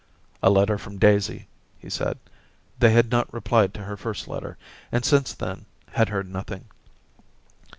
* A letter from Daisy,' he said. They had not replied to her first letter, and since then had heard nothing.